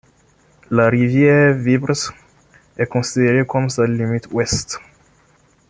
La rivière Wieprz est considérée comme sa limite ouest.